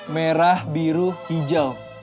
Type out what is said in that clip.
merah biru hijau